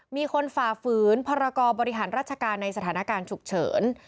ฝ่าฝืนพรกรบริหารราชการในสถานการณ์ฉุกเฉิน